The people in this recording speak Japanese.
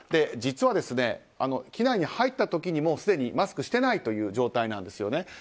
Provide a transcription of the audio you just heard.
実は、機内に入った時にもすでにマスクをしていない状態なんですよね。